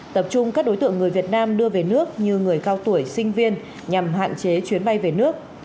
tập trung các đối tượng người việt nam đưa về nước như người cao tuổi sinh viên nhằm hạn chế chuyến bay về nước